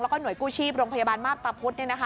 แล้วก็หน่วยกู้ชีพโรงพยาบาลมาพตะพุธ